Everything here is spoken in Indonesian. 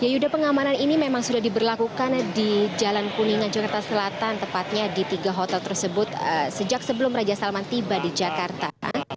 ya yuda pengamanan ini memang sudah diberlakukan di jalan kuningan jakarta selatan tepatnya di tiga hotel tersebut sejak sebelum raja salman tiba di jakarta